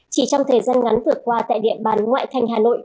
chỉ trong thời gian ngắn vừa qua tại địa bàn ngoại thành hà nội